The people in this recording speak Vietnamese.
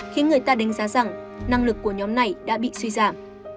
khiến người ta đánh giá rằng năng lực của nhóm này đã bị suy giảm